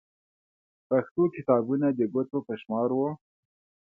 پښتو کتابونه د ګوتو په شمار وو.